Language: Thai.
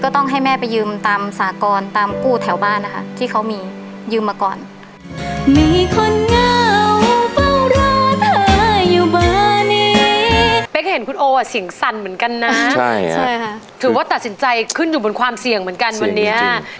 ถือว่าตัดสินใจขึ้นอยู่บนความเสี่ยงเหมือนกันวันนี้